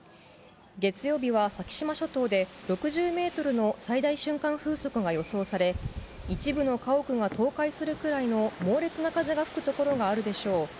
月曜日は先島諸島で６０メートルの最大瞬間風速が予想され、一部の家屋が倒壊するくらいの猛烈な風が吹く所があるでしょう。